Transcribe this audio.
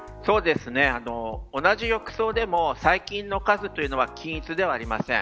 同じ浴槽でも細菌の数は均一ではありません。